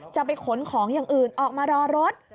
จะไปขนของอย่างอื่นออกมารอรถ